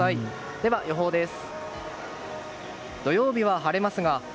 では予報です。